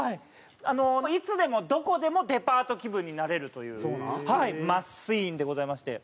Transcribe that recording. いつでもどこでもデパート気分になれるというマシンでございまして。